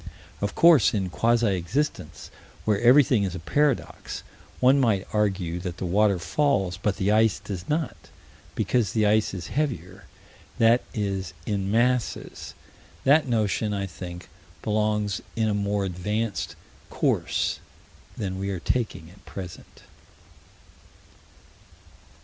Of course, in quasi existence, where everything is a paradox, one might argue that the water falls, but the ice does not, because the ice is heavier that is, in masses. That notion, I think, belongs in a more advanced course than we are taking at present.